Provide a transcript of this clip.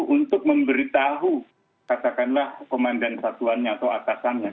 untuk memberitahu katakanlah komandan satuannya atau atasannya